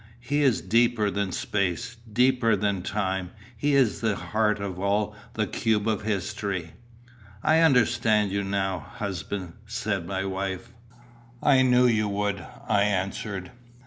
He is deeper than space, deeper than time; he is the heart of all the cube of history." "I understand you now, husband," said my wife. "I knew you would," I answered.